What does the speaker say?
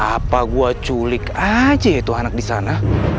apa gua culik aja itu anak disana